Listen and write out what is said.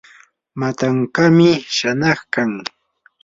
matankaami shanaykan.